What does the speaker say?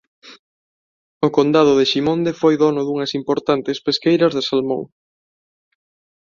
O Condado de Ximonde foi dono dunhas importantes pesqueiras de salmón.